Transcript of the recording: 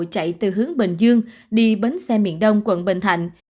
chạy từ hướng bình dương đi bến xe miền đông quận bình thạnh